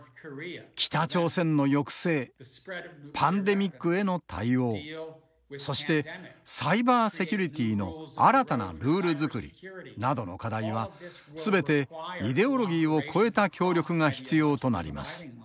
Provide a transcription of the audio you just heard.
北朝鮮の抑制パンデミックへの対応そしてサイバーセキュリティーの新たなルール作りなどの課題は全てイデオロギーを超えた協力が必要となります。